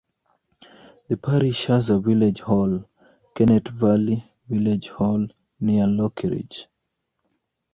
The parish has a village hall, Kennet Valley Village Hall, near Lockeridge.